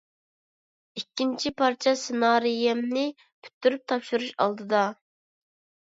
ئىككىنچى پارچە سېنارىيەمنى پۈتتۈرۈپ تاپشۇرۇش ئالدىدا.